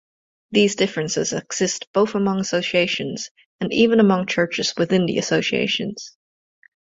These differences exist both among associations, and even among churches within the associations.